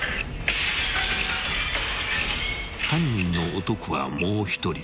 ［犯人の男はもう一人］